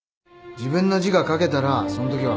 自分の字が書けたらそんときは。